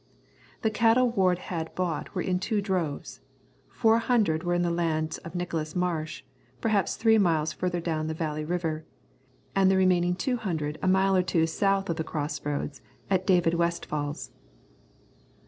The cattle Ward had bought were in two droves. Four hundred were on the lands of Nicholas Marsh, perhaps three miles farther down the Valley River, and the remaining two hundred a mile or two south of the crossroads at David Westfall's.